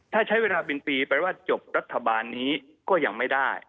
ถ้าใช้เวลาเป็นปีแปลว่าจบรัฐบาลนี้ก็ยังไม่ได้